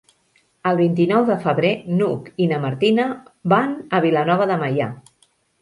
El vint-i-nou de febrer n'Hug i na Martina van a Vilanova de Meià.